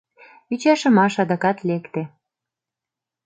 Ӱчашымаш адакат лекте.